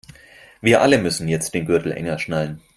Wir alle müssen jetzt den Gürtel enger schnallen.